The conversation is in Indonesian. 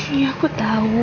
ini aku tahu